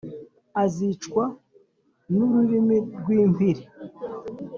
azicwa n’ururimi rw’impiri